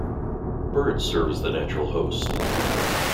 Birds serve as the natural host.